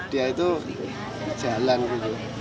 dia itu jalan gitu